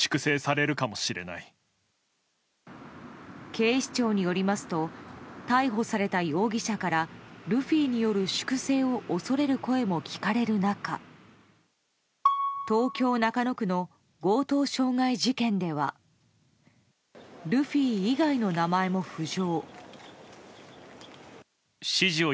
警視庁によりますと逮捕された容疑者からルフィによる粛清を恐れる声も聞かれる中東京・中野区の強盗傷害事件ではルフィ以外の名前も浮上。